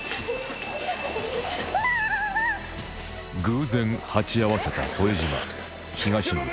偶然鉢合わせた副島東村